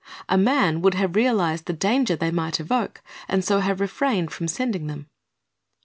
A man would have realized the danger they might evoke and so have refrained from sending them.